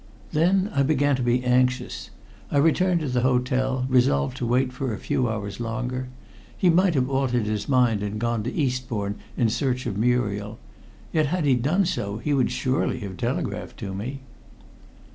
Then I began to be anxious. I returned to the hotel, resolved to wait for a few hours longer. He might have altered his mind and gone to Eastbourne in search of Muriel; yet, had he done so, he would surely have telegraphed to me.